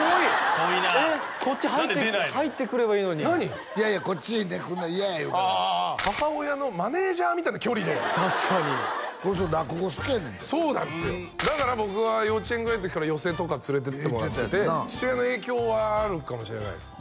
遠いな何で出ないのよ入ってくればいいのにいやいやこっち出てくるの嫌や言うたから母親のマネージャーみたいな距離で確かにこの人落語好きやねんてそうなんですよだから僕は幼稚園ぐらいの時から寄席とか連れてってもらって父親の影響はあるかもしれないです